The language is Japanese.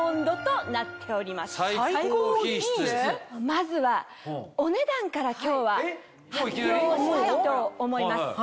まずはお値段から今日は発表したいと思います。